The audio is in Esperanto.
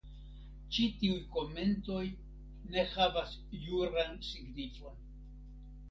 Ĉi tiuj komentoj ne havas juran signifon.